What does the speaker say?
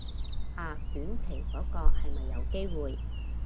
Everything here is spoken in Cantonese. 啊短期嗰個係咪有機會